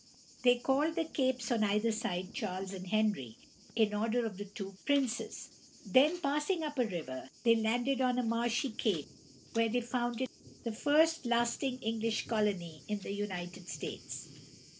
They called the capes on either side Charles and Henry, in honor of the two princes; then, passing up a river, they landed on a marshy cape, where they founded the first lasting English colony in the United States.